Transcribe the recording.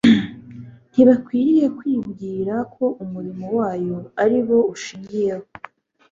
ntibakwiriye kwibwira ko umurimo wayo ari bo ushingiyeho